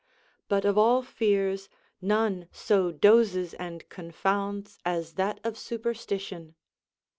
* But of all fears, none so dozes and confounds as that of superstition.